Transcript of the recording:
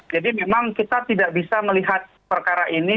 jadi memang kita tidak bisa melihat perkara ini